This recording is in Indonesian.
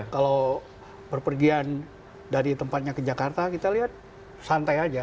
kalau berpergian dari tempatnya ke jakarta kita lihat santai aja